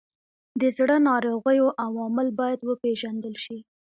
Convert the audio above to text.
د زړه ناروغیو عوامل باید وپیژندل شي.